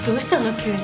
急に。